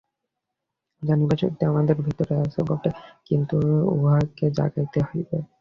জানিবার শক্তি আমাদের ভিতরেই আছে বটে, কিন্তু উহাকে জাগাইতে হইবে।